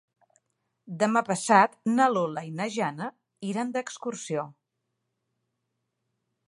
Demà passat na Lola i na Jana iran d'excursió.